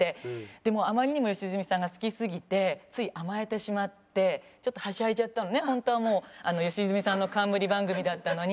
でもうあまりにも吉住さんが好きすぎてつい甘えてしまってちょっとはしゃいじゃったのねホントは吉住さんの冠番組だったのに。